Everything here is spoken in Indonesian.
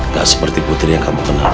gak seperti putri yang kamu kenal